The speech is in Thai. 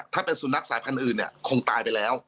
ถ้าเป็นสุนัขสายพันธุ์อื่นเนี่ยคงตายไปแล้ว